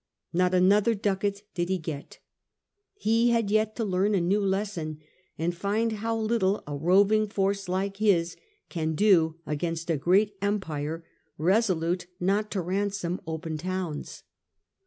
Not another ducat did he get. He had yet to learn a new lesson, and find how little a roving force like his can do against a great empire resolute not to ransom open towns.